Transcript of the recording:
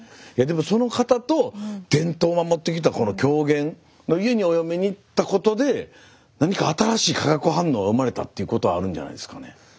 その方と伝統を守ってきた狂言の家にお嫁に行ったことで何か新しい化学反応が生まれたっていうことはあるんじゃないんですかね。